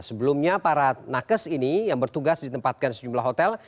sebelumnya para nakes ini yang bertugas ditempatkan sejumlah hotel